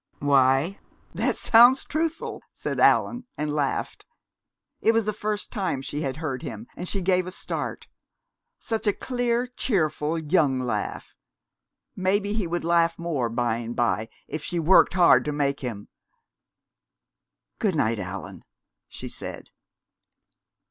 "Why, that sounds truthful!" said Allan, and laughed. It was the first time she had heard him, and she gave a start. Such a clear, cheerful, young laugh! Maybe he would laugh more, by and by, if she worked hard to make him. "Good night, Allan," she said.